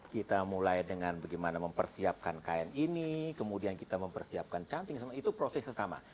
kita mulai dengan bagaimana mempersiapkan kain ini kemudian kita mempersiapkan canting semua itu prosesnya sama